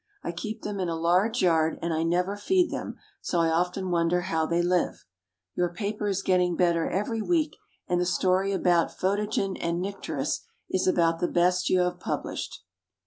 I keep them in a large yard, and I never feed them, so I often wonder how they live. Your paper is getting better every week, and the story about "Photogen and Nycteris" is about the best you have published.